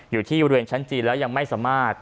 อยู่ที่บริเวณชั้นจีนแล้วยังไม่สามารถ